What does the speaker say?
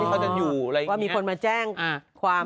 ที่เขาจะอยู่อะไรอย่างเงี้ยว่ามีคนมาแจ้งอ่าความ